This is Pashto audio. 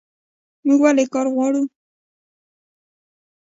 موږ ولې کار غواړو؟